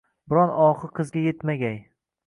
Biron ohi qizga yetmagay